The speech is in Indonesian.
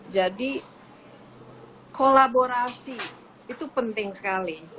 jadi kolaborasi itu penting sekali